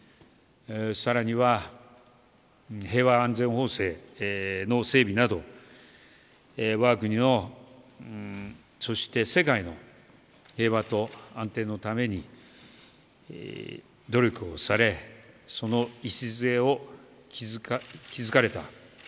更には、平和安全法制の整備など我が国の、そして世界の平和と安定のために努力をされ、その礎を築かれた。